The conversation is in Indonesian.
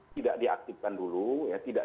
tidak diaktifkan dulu tidak